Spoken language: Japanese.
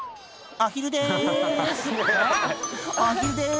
［アヒルでーす］